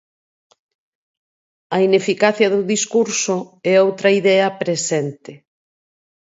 A ineficacia do discurso é outra idea presente.